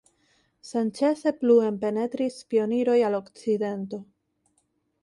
Senĉese pluen penetris pioniroj al okcidento.